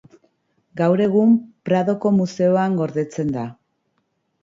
Gaur egun Pradoko museoan gordetzen da.